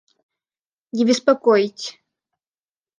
Не беспокоить